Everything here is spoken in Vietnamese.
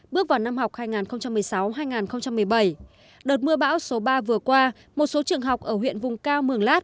bước vào năm học hai nghìn một mươi sáu hai nghìn một mươi bảy đợt mưa bão số ba vừa qua một số trường học ở huyện vùng cao mường lát